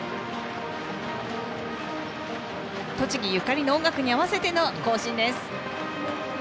栃木ゆかりの音楽に合わせての行進です。